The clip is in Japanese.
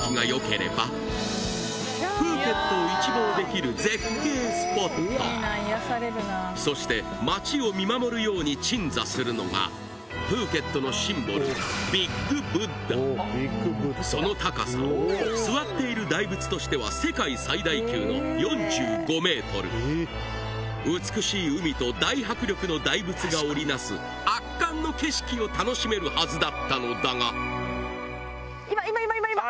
プーケットを一望できるそして街を見守るように鎮座するのがプーケットのシンボル美しい海と大迫力の大仏が織り成す圧巻の景色を楽しめるはずだったのだがあ